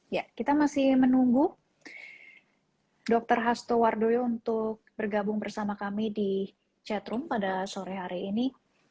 ya kita masih menunggu dr hasto wardoyo untuk bergabung bersama kami di chatroom pada sore hari ini